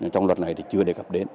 trong luật này thì chưa đề cập đến